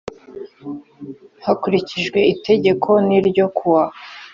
hakurikijwe itegeko n ryo ku wa